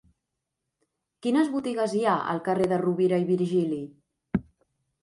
Quines botigues hi ha al carrer de Rovira i Virgili?